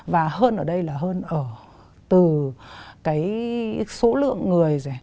và hơn ở đây là hơn ở từ cái số lượng người